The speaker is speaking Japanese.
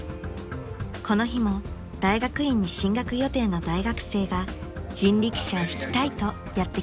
［この日も大学院に進学予定の大学生が人力車を引きたいとやって来ました］